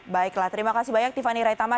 baiklah terima kasih banyak tiffany raitama